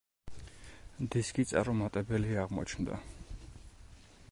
დისკი წარუმატებელი აღმოჩნდა.